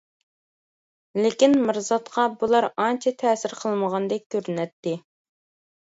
لېكىن مىرزاتقا بۇلار ئانچە تەسىر قىلمىغاندەك كۆرۈنەتتى.